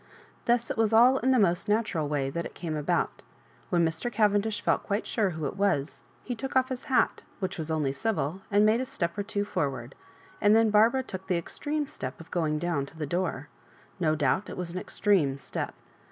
Thus it was all in the most natural way that it came about When Mr. Cavendish felt quite sure who it was, he took off his hat, which was only civil, and made a step or two forward ; and then Barbara took the extreme step of going down to the door. No doubt it was an extreme step.